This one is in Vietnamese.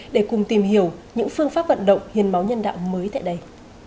để cùng tìm hiểu những phương pháp vận động hiến máu nhân đạo mới tại đây